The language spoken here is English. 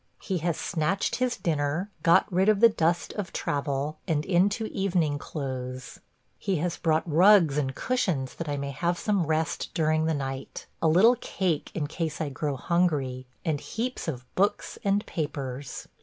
He has snatched his dinner, got rid of the dust of travel, and into evening clothes. He has brought rugs and cushions that I may have some rest during the night, a little cake in case I grow hungry, and heaps of books and papers.